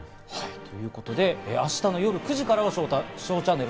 ということで明日の夜９時からは『ＳＨＯＷチャンネル』。